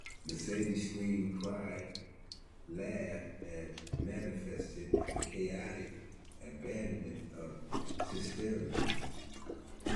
Mercedes screamed, cried, laughed, and manifested the chaotic abandonment of hysteria.